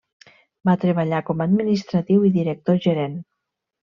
Va treballar com a administratiu i director gerent.